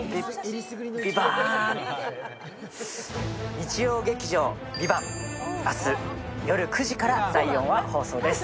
日曜劇場「ＶＩＶＡＮＴ」、明日夜９時から第４話、放送です。